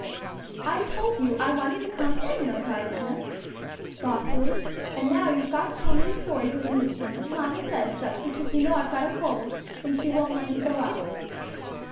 "I told you I wanted to come in," replied Enna, saucily, "and now you've got to tell me a story to amuse me; mamma says so, because you know I've got a cold, and she won't let me go out."